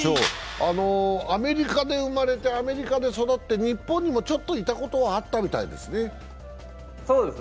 アメリカで生まれて、アメリカで育って、日本にも、ちょっといたことはあったみたいですね。